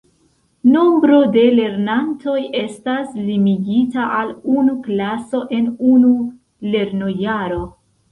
Nombro de lernantoj estas limigita al unu klaso en unu lernojaro.